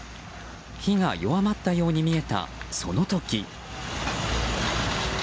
火が弱まったように見えたその時。